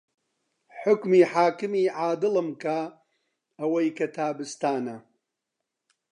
حوکمی حاکمی عادڵم کا ئەوەی کە تابستانە